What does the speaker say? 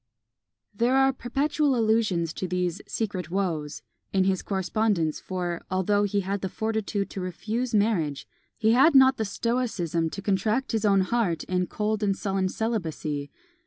There are perpetual allusions to these "secret woes" in his correspondence; for, although he had the fortitude to refuse marriage, he had not the stoicism to contract his own heart in cold and sullen celibacy.